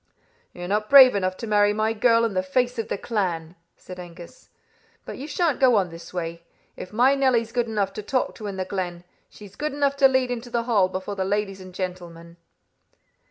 'You're not brave enough to marry my girl in the face of the clan,' said Angus. 'But you shan't go on this way. If my Nelly's good enough to talk to in the glen, she's good enough to lead into the hall before the ladies and gentlemen.